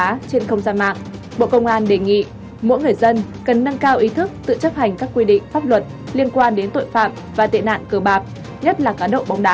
trên không gian mạng bộ công an đề nghị mỗi người dân cần nâng cao ý thức tự chấp hành các quy định pháp luật liên quan đến tội phạm và tệ nạn cờ bạc nhất là cá độ bóng đá